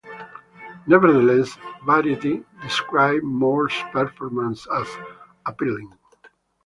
Nevertheless, "Variety" described Moore's performance as "appealing.